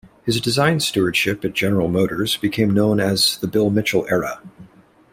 His design stewardship at General Motors became known as the 'Bill Mitchell era'.